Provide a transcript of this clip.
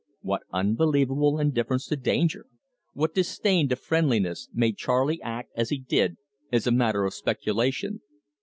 What unbelievable indifference to danger, what disdain to friendliness, made Charley act as he did is a matter for speculation.